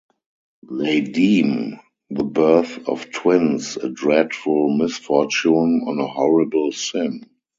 They deem the birth of twins a dreadful misfortune and a horrible sin.